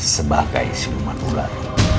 sebagai si human ular